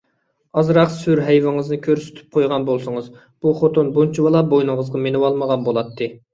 ئازراق سۈر-ھەيۋىڭىزنى كۆرسىتىپ قويغان بولسىڭىز، بۇ خوتۇن بۇنچىۋالا بوينىڭىزغا مىنىۋالمىغان بولاتتى.